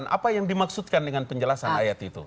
apa yang dimaksudkan dengan penjelasan ayat itu